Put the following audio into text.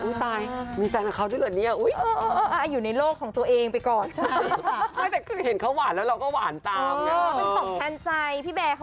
อุ้ยตายมีแฟนกับเค้าได้เลยเนียอุ้ย